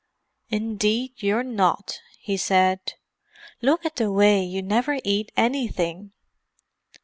"Indeed you're not," he said. "Look at the way you never eat anything!"